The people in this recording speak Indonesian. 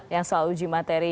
yang soal uji materi